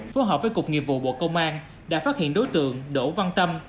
phối hợp với cục nghiệp vụ bộ công an đã phát hiện đối tượng đỗ văn tâm